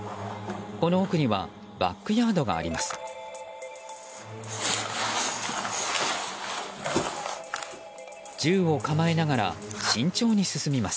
この奥にはバックヤードがあります。